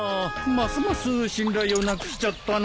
ますます信頼をなくしちゃったな。